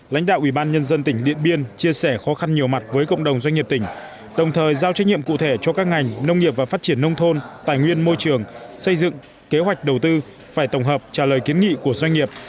lãnh đạo ủy ban nhân dân tỉnh điện biên chia sẻ khó khăn nhiều mặt với cộng đồng doanh nghiệp tỉnh đồng thời giao trách nhiệm cụ thể cho các ngành nông nghiệp và phát triển nông thôn tài nguyên môi trường xây dựng kế hoạch đầu tư phải tổng hợp trả lời kiến nghị của doanh nghiệp